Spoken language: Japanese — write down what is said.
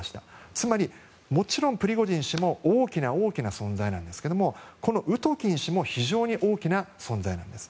つまり、もちろんプリゴジン氏も大きな存在なんですがウトキン氏も非常に大きな存在なんです。